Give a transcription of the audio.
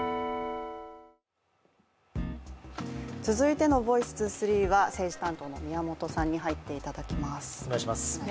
続いての「ｖｏｉｃｅ２３」は政治担当の宮本さんに入っていただきます。